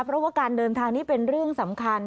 เพราะว่าการเดินทางนี้เป็นเรื่องสำคัญ